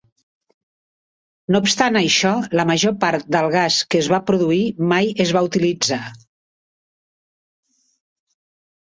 No obstant això, la major part del gas que es va produir mai es va utilitzar.